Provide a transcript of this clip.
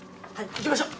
行きましょう。